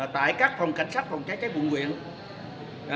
tại các phòng cảnh sát phòng cháy cháy quận nguyện